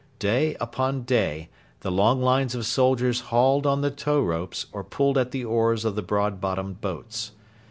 Day after day the long lines of soldiers hauled on the tow ropes or pulled at the oars of the broad bottomed boats.